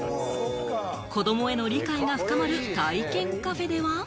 子どもへの理解が深まる体験カフェでは。